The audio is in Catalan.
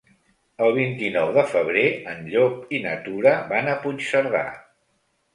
El vint-i-nou de febrer en Llop i na Tura van a Puigcerdà.